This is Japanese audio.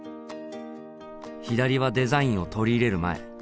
左はデザインを取り入れる前。